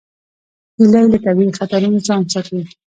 هیلۍ له طبیعي خطرونو ځان ساتي